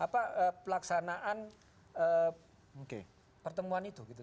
pelaksanaan pertemuan itu